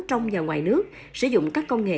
trong và ngoài nước sử dụng các công nghệ